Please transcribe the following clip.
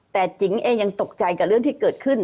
แต่จิ๋งเองยังตกใจกับเรื่องที่เกิดขึ้น